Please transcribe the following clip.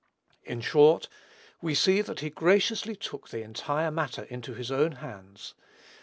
In short, we see that he graciously took the entire matter into his own hands.